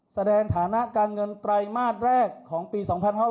สถานะการเงินไตรมาสแรกของปี๒๕๖๐